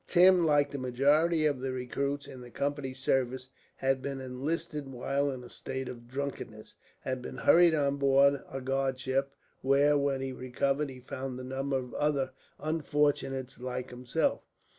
Tim, like the majority of the recruits in the Company's service, had been enlisted while in a state of drunkenness; had been hurried on board a guard ship, where, when he recovered, he found a number of other unfortunates like himself.